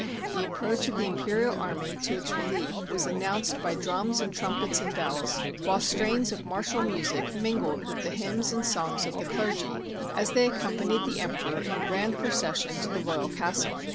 The approach of the imperial army to its relief was announced by drums and trumpets and bells, while strains of martial music mingled with the hymns and songs of the clergy, as they accompanied the Emperor in grand procession to the royal castle.